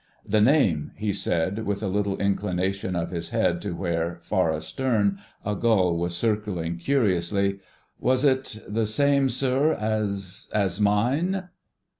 "The name," he said, with a little inclination of his head to where, far astern, a gull was circling curiously, "was it—the same, sir, as—as mine?"